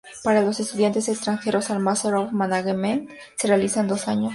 Para los estudiantes extranjeros, el Master of Management, se realiza en dos años.